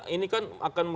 ini kan akan